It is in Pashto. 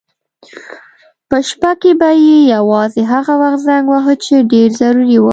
په شپه کې به یې یوازې هغه وخت زنګ واهه چې ډېر ضروري و.